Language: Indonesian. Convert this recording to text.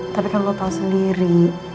tapi kan lo tahu sendiri